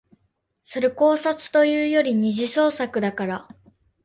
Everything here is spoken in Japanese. それ考察というより二次創作だから